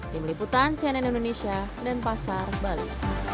di meliputan cnn indonesia dan pasar bali